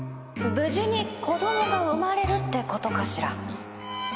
「無事に子供が生まれる」ってことかしら？